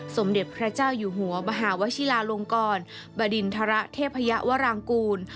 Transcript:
สมเด็จพระเจ้าอยู่หัวมหาวชิลาลงกรบดินทรเทพยวรางกูล